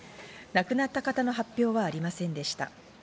亡くなった方の発表はありませんでした。